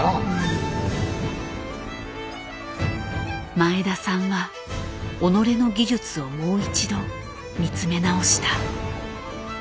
前田さんは己の技術をもう一度見つめ直した。